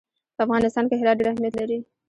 په افغانستان کې هرات ډېر اهمیت لري.